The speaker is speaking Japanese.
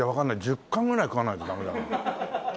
１０貫ぐらい食わないとダメだな。